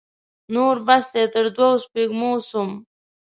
نور بس دی؛ تر دوو سپږمو سوم.